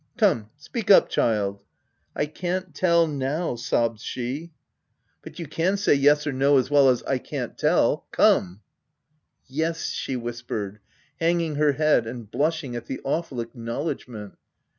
i < c Come, speak up child I? " I can't tell now," sobbed she. 238 THE TENANT " But you can say c yes • or ' no ' as well as ■ 1 can't tell '—Come f " Yes/' she whispered, hanging her head and blushing at the awful acknowledgement.